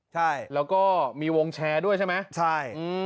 ใช่แล้วก็มีวงแชร์ด้วยใช่ไหมใช่